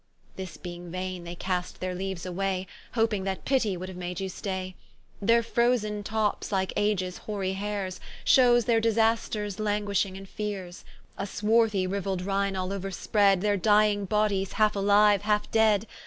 This being vaine, they cast their leaues away, Hoping that pitie would haue made you stay: Their frozen tops, like Ages hoarie haires, Showes their disasters, languishing in feares: A swarthy riueld ryne all ouer spread, Their dying bodies halfe aliue, halfe dead.